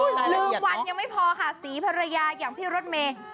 ลืมวันยังไม่พอค่ะศรีภรรยาอย่างพี่รถเมย์